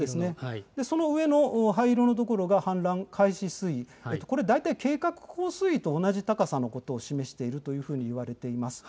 その上の灰色の所が氾濫開始水位、これ、大体と同じ高さのことを示しているというふうにいわれています。